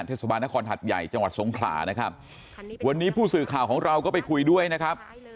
เทศบาลนครหัดใหญ่จังหวัดสงขลานะครับวันนี้ผู้สื่อข่าวของเราก็ไปคุยด้วยนะครับ